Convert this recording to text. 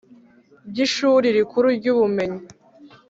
By ishuri rikuru ry ubumenyi